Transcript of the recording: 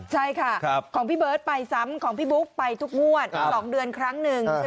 ใช่ค่ะของพี่เบิร์ตไปซ้ำของพี่บุ๊กไปทุกงวด๒เดือนครั้งหนึ่ง